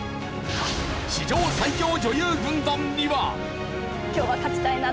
史上最強女優軍団には。